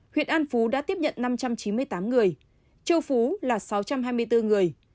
huyện an phú đã tiếp nhận năm trăm chín mươi tám người châu phú là sáu trăm hai mươi bốn người